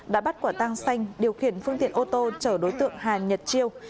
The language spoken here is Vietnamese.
đã bắt quả tang xanh điều khiển phương tiện ô tô chở đối tượng hà nhật chiêu